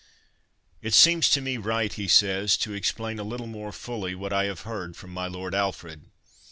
" It seems to me right," he says, " to explain a little more fully what I have heard from my lord Alfred."